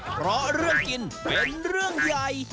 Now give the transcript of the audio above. เพราะเรื่องกินเป็นเรื่องใหญ่